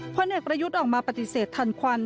พลเอกประยุทธ์ออกมาปฏิเสธทันควัน